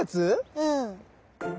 うん。